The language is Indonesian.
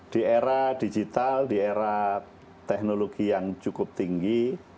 di era digital di era teknologi yang cukup tinggi